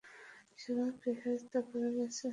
শালাকে শায়েস্তা করা গেছে?